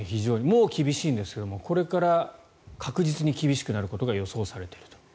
もう厳しいんですけどもこれから確実に厳しくなることが予想されているという。